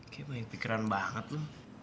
kayaknya main pikiran banget lo